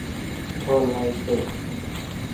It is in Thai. คนในตึก